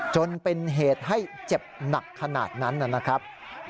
จนเป็นเหตุให้เจ็บหนักขนาดนั้นนะครับ